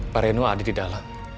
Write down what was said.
pak reno ada didalam